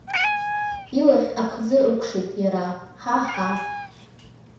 Илахь аԥхӡы ықәшит иара, Ҳа-ҳа!